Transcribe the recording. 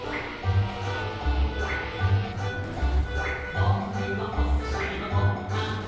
「ぼくはおすしのご・は・ん」